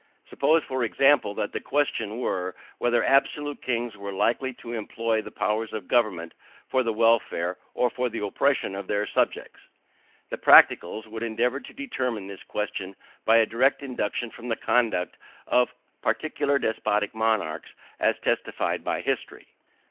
Suppose, for example, that the question were, whether absolute kings were likely to employ the powers of government for the welfare or for the oppression of their subjects. The practicals would endeavour to determine this question by a direct induction from the conduct of particular despotic monarchs, as testified by history.